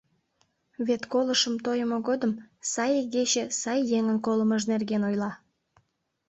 Вет колышым тойымо годым сай игече сай еҥын колымыж нерген ойла.